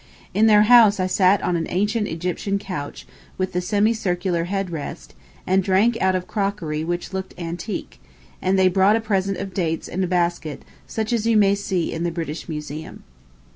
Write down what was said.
In their house I sat on an ancient Egyptian couch with the semicircular head rest, and drank out of crockery which looked antique, and they brought a present of dates in a basket such as you may see in the British Museum.